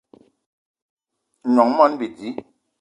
Gnong i moni bidi